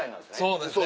そうですね。